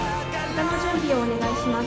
旗の準備をお願いします。